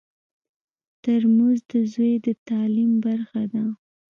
ترموز د زوی د تعلیم برخه ده.